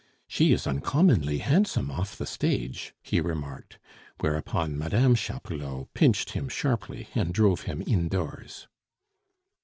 "She is uncommonly handsome off the stage," he remarked. Whereupon Mme. Chapoulot pinched him sharply and drove him indoors.